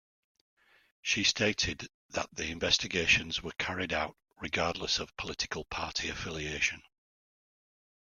She stated that the investigations were carried out regardless of political party affiliation.